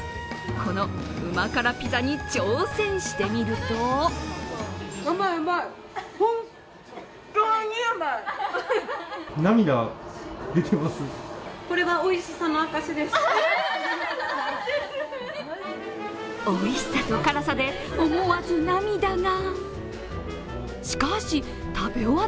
このうま辛ピザに挑戦してみるとおいしさと辛さで、思わず涙が。